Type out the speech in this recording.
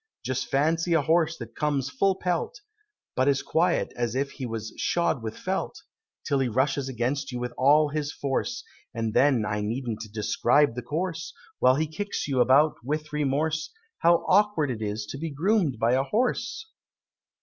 Just fancy a horse that comes full pelt, But as quiet as if he was 'shod with felt,' Till he rushes against you with all his force, And then I needn't describe the course, While he kicks you about without remorse, How awkward it is to be groom'd by a horse!